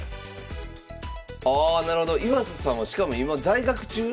ああなるほど岩佐さんはしかも今在学中？